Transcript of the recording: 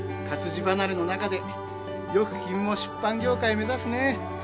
活字離れの中でよく君も出版業界目指すね。